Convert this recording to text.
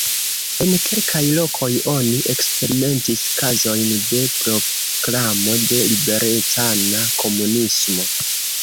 En kelkaj lokoj oni eksperimentis kazojn de proklamo de liberecana komunismo.